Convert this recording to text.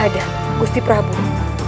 hai ambar menghadap gusti prabowo